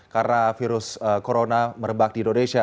karena virus corona merebak di indonesia